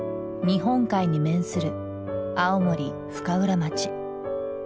日本海に面する青森深浦町。